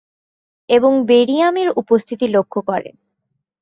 এবং বেরিয়াম এর উপস্থিতি লক্ষ্য করেন।